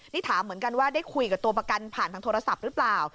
นี่ถามเหมือนกันว่าได้คุยกับตัวประกันผ่านทางโทรศัพท์หรือเปล่า